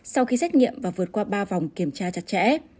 sau khi xét nghiệm và vượt qua ba vòng kiểm tra chặt chẽ